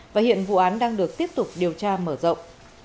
và hiện vụ án đang được tiếp tục điều tra mở rộng